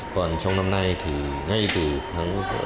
còn trong năm nay ngay từ tháng sáu